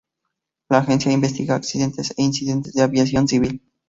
La agencia investiga accidentes e incidentes de aviación civil.